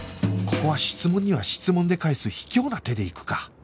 ここは質問には質問で返す卑怯な手でいくか